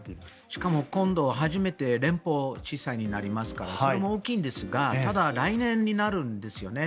しかも今度初めて連邦地裁になりますからそれも大きいんですがただ来年になるんですよね。